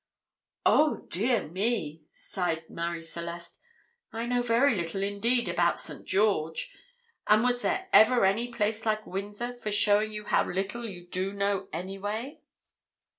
"Oh, dear me!" sighed Marie Celeste; "I know very little, indeed, about St. George; and was there ever any place like Windsor for showing you how little you do know, anyway?"